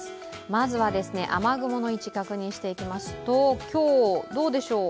まずは雨雲の位置確認していきますと今日、どうでしょう。